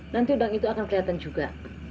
nanti bank itu akan kelihatan juga